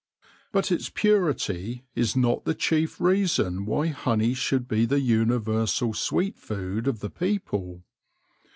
But its purity is not the chief reason why honey should be the universal sweet food of the people.